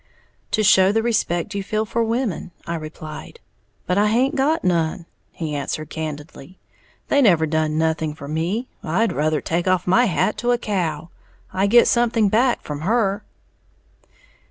"To show the respect you feel for women," I replied. "But I haint got none," he answered candidly; "they never done nothing for me. I'd ruther take off my hat to a cow, I git something back from her!"